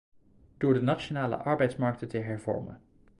Door de nationale arbeidsmarkten te hervormen.